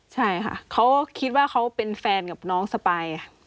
ใช่ค่ะเขาคิดว่าเขาเป็นแฟนกับน้องสปาย